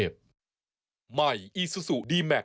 สวัสดีปีใหม่